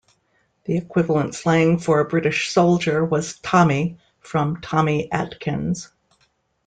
The equivalent slang for a British soldier was "Tommy" from Tommy Atkins.